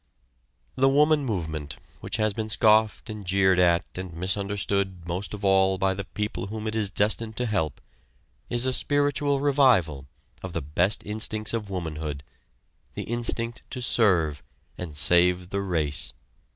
The woman movement, which has been scoffed and jeered at and misunderstood most of all by the people whom it is destined to help, is a spiritual revival of the best instincts of womanhood the instinct to serve and save the race.